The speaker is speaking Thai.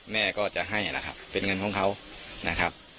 แม่ก็จะให้เป็นเงินของเขา